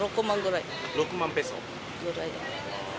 ６万ペソ？